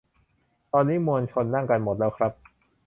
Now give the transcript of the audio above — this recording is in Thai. ตอนนี้มวลชนนั่งกันหมดแล้วครับ